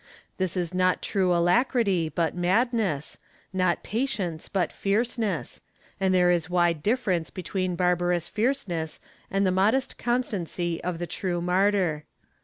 This is not true alacrity but madness, not patience but fierceness, and there is wide difference between barbarous fierceness and the modest constancy of the true martyr.